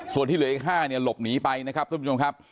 ส่วนที่เหลืออีก๕เนี่ยหลบหนีไปนะครับท่านผู้ชมครับ